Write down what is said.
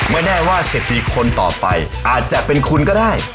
แน่ว่าเศรษฐีคนต่อไปอาจจะเป็นคุณก็ได้